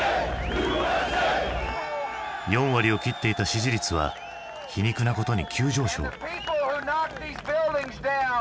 ４割を切っていた支持率は皮肉なことに急上昇。